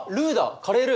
カレールー！